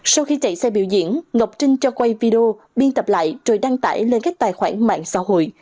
sau khi chạy xe biểu diễn ngọc trinh cho quay video biên tập lại rồi đăng tải lên các tài khoản mạng xã hội